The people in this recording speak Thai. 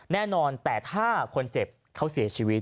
แน่นอนแต่ถ้าคนเจ็บเขาเสียชีวิต